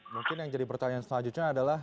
mungkin yang jadi pertanyaan selanjutnya adalah